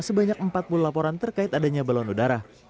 sebanyak empat puluh laporan terkait adanya balon udara